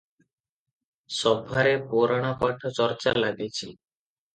ସଭାରେ ପୁରାଣପାଠ ଚର୍ଚ୍ଚା ଲାଗିଛି ।